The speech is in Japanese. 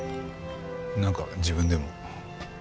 なんか自分でも。